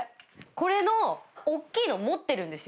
これの大きいの持ってるんですよ。